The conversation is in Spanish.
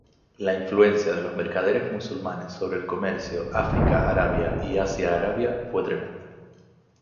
La influencia de los mercaderes musulmanes sobre el comercio África-Arabia y Asia-Arabia fue tremenda.